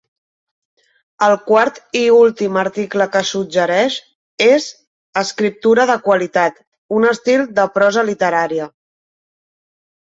El quart i últim article que suggereix és "Escriptura de qualitat: un estil de prosa literària".